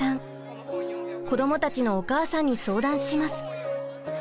子どもたちのお母さんに相談します。